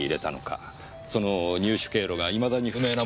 その入手経路がいまだに不明なものですからね。